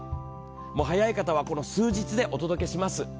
早い方はこの数日でお届けします。